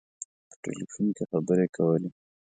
په ټلفون کې خبري کولې.